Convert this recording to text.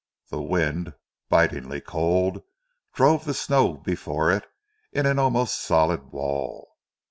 The wind, bitingly cold, drove the snow before it in an almost solid wall.